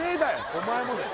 お前もだよ